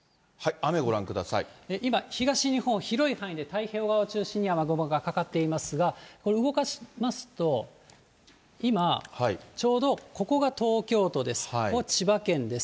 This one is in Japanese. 雨、今、東日本、広い範囲で太平洋側を中心に雨雲がかかっていますが、これ動かしますと、今、ちょうどここが東京都です、ここ、千葉県です。